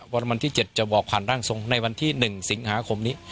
วันที่๗จะบอกผ่านร่างทรงในวันที่๑สิงหาคมนี้